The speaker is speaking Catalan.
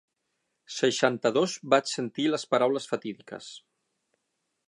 Seixanta-dos vaig sentir les paraules fatídiques.